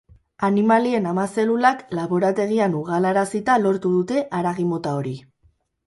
Animalien ama-zelulak laborategian ugalarazita lortu dute haragi mota hori.